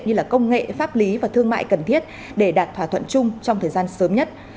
như là công nghệ pháp lý và thương mại cần thiết để đạt thỏa thuận chung trong thời gian sớm nhất